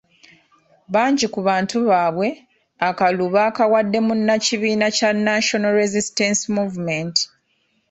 Bangi ku bantu baabwe, akalulu baakawadde munnakibiina kya National Resistance Movement.